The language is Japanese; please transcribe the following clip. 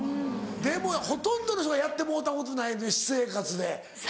でもほとんどの人がやってもろうたことないよね私生活で。